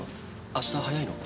あした早いの？